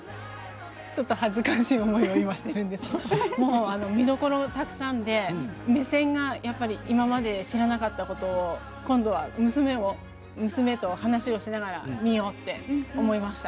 ちょっと恥ずかしい思いを今、してるんですけど見どころたくさんで目線が今まで知らなかったことを今度は娘と話をしながら見ようって思いました。